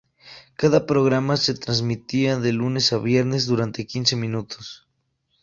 Cada programa se transmitía de lunes a viernes durante quince minutos.